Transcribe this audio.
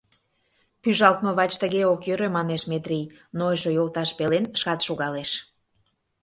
— Пӱжалтме вач тыге ок йӧрӧ, — манеш Метрий, нойышо йолташ пелен шкат шогалеш.